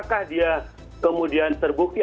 nah apakah dia kemudian berubah